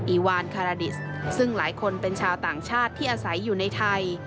อวานคาราดิสซึ่งหลายคนเป็นชาวต่างชาติที่อาศัยอยู่ในไทย